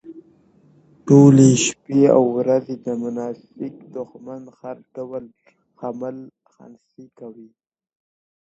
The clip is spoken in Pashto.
ټوله شپه او ورځ د منافق دښمن هر ډول حملې خنثی کوي